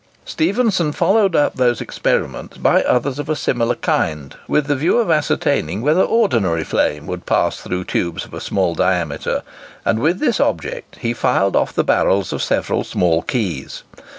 Stephenson followed up those experiments by others of a similar kind, with the view of ascertaining whether ordinary flame would pass through tubes of a small diameter and with this object he filed off the barrels of several small keys.